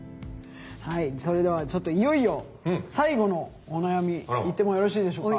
それではちょっといよいよ最後のお悩みいってもよろしいでしょうか。